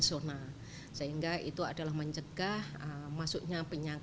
contoh misalnya ya